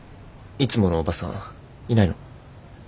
いつものおばさんいないの？